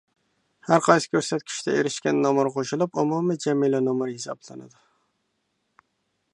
ھەر قايسى كۆرسەتكۈچتە ئېرىشكەن نومۇر قوشۇلۇپ ئومۇمىي جەملىمە نومۇر ھېسابلىنىدۇ.